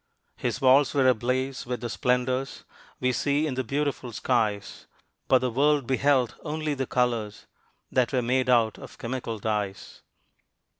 His walls were ablaze with the splendors We see in the beautiful skies; But the world beheld only the colors That were made out of chemical dyes.